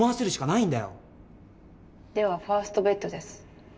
ではファーストベットです。